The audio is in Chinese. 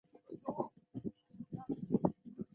光轴苎叶蒟为胡椒科胡椒属下的一个变种。